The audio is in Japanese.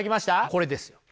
これですよ。